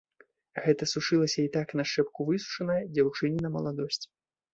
Гэта сушылася й так на шчэпку высушаная дзяўчыніна маладосць.